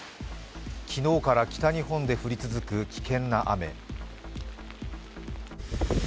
昨日から北日本で降り続く危険な雨。